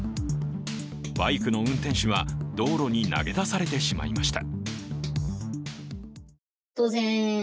バイクの運転手は道路に投げ出されてしまいました。